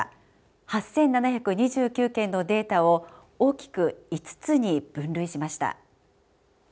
８，７２９件のデータを大きく５つに分類しました。